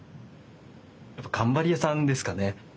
頑張り屋さんですかね。